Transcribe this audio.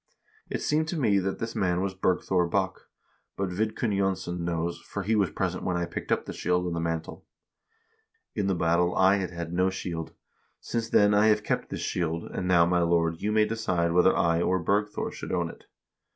It seemed to me that this man was Bergthor Bokk ; but Vidkun Jonsson knows, for he was present when I picked up the shield and the mantle. In the battle I had had no shield. Since then I have kept this shield, and now, my lord, you may decide whether I or Bergthor should own it.'